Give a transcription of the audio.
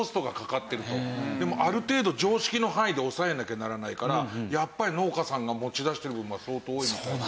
でもある程度常識の範囲で抑えなきゃならないからやっぱり農家さんが持ち出してる分が相当多いみたいで。